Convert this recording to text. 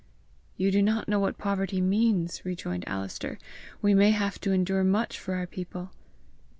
"You do not know what poverty means!" rejoined Alister. "We may have to endure much for our people!"